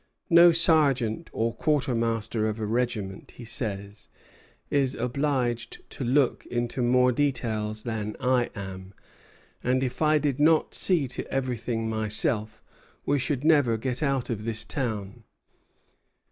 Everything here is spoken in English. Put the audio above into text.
"No sergeant or quartermaster of a regiment," he says, "is obliged to look into more details than I am; and if I did not see to everything myself, we should never get out of this town."